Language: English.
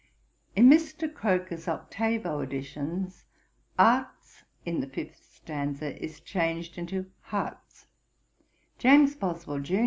In Mr. Croker's octavo editions, arts in the fifth stanza is changed into hearts. J. Boswell, jun.